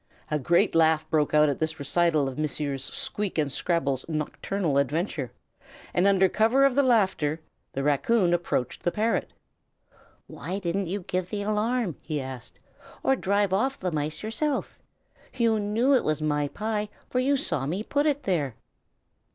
A great laugh broke out at this recital of Messrs. Squeak and Scrabble's nocturnal adventure, and under cover of the laughter the raccoon approached the parrot. "Why didn't you give the alarm," he asked, "or drive off the mice yourself? You knew it was my pie, for you saw me put it there."